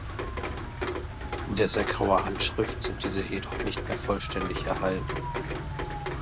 In der Seckauer "Handschrift" sind diese jedoch nicht mehr vollständig erhalten.